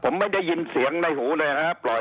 ผมไม่ได้ยินเสียงในหูเลยนะครับ